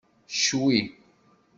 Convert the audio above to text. Ccwi!